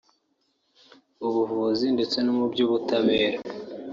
ubuvuzi ndetse no mu by’ubutabera